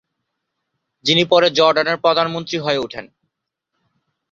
যিনি পরে জর্ডানের প্রধানমন্ত্রী হয়ে ওঠেন।